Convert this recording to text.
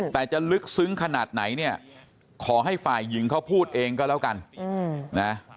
แต่จะลึกซึ้งขนาดไหนเนี่ยขอให้ฝ่ายหญิงเขาพูดเองก็แล้วกันนะ